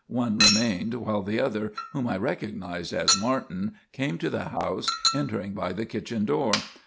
One remained while the other, whom I recognised as Martin, came to the house, entering by the kitchen door.